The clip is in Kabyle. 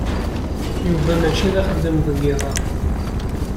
Yuba mačči d axeddam deg yiḍ-a.